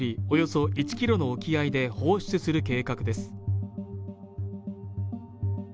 およそ１キロの沖合で放出する計画です